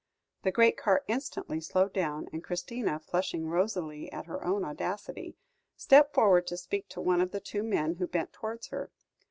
The great car instantly slowed down, and Christina, flushing rosily at her own audacity, stepped forward to speak to one of the two men who bent towards her.